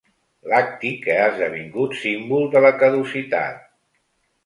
Lacti que ha esdevingut símbol de la caducitat.